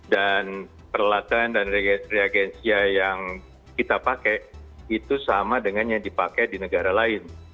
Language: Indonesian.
dan peralatan dan reagensia yang kita pakai itu sama dengan yang dipakai di negara lain